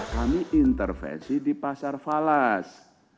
kami intervensi di pasar falas